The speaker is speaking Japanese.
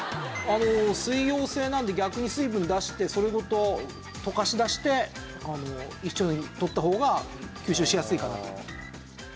水溶性なので逆に水分出してそれごと溶かし出して一緒にとった方が吸収しやすいかなと。